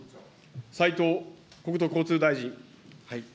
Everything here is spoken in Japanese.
斉藤国土交通大臣。